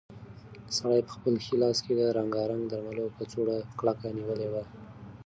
سړي په خپل ښي لاس کې د رنګارنګ درملو کڅوړه کلکه نیولې وه.